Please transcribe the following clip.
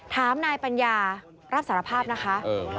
ถามนายปัญญารับสารภาพนะคะ